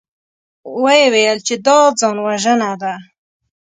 ويې ويل چې دا ځانوژنه ده.